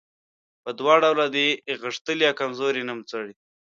په دوه ډوله دي غښتلي او کمزوري نومځري.